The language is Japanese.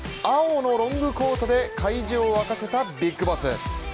青のロングコートで会場を沸かせたビッグボス。